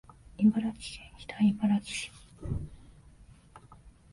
茨城県北茨城市